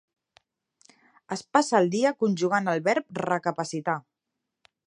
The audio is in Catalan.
Es passa el dia conjugant el verb recapacitar.